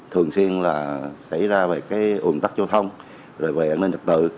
thường xuyên là xảy ra về ổn tắc châu thông về ảnh năng nhập tự